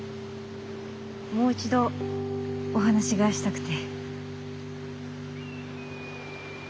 もう一度お話がしたくて。